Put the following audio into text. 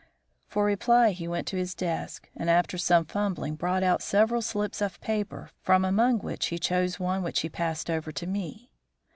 For reply he went to his desk, and after some fumbling brought out several slips of paper, from among which he chose one which he passed over to me.